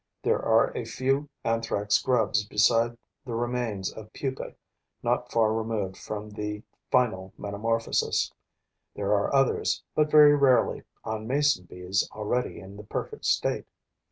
There are a few Anthrax grubs beside the remains of pupae not far removed from the final metamorphosis; there are others, but very rarely, on Mason bees already in the perfect state.